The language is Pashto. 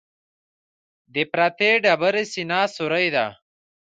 د پرتې ډبرې سینه سورۍ ده.